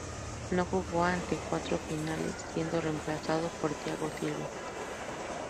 No jugó ante en cuartos de final, siendo reemplazado por Thiago Silva.